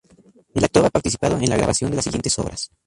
El actor ha participado en la grabación de las siguientes obras.